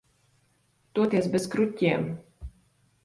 Toties bez kruķiem.